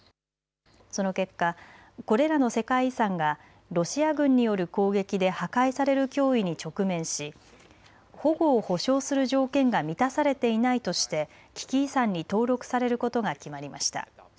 その結果、これらの世界遺産がロシア軍による攻撃で破壊される脅威に直面し保護を保証する条件が満たされていないとして危機遺産に登録されることが決まりました。